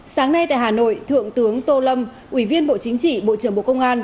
sáng nay tại hà nội thượng tướng tô lâm ủy viên bộ chính trị bộ trưởng bộ công an